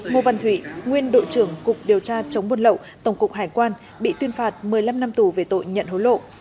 ngô văn thụy nguyên đội trưởng cục điều tra chống buôn lậu tổng cục hải quan bị tuyên phạt một mươi năm năm tù về tội nhận hối lộ